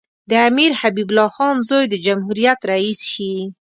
د امیر حبیب الله خان زوی د جمهوریت رییس شي.